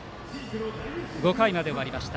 ５回まで終わりました。